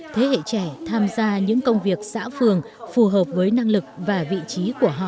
thế hệ trẻ tham gia những công việc xã phường phù hợp với năng lực và vị trí của họ